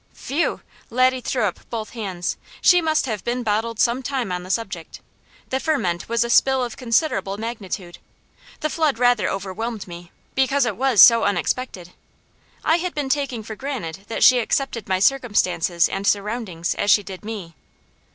"Phew!" Laddie threw up both hands. "She must have been bottled some time on the subject. The ferment was a spill of considerable magnitude. The flood rather overwhelmed me, because it was so unexpected. I had been taking for granted that she accepted my circumstances and surroundings as she did me.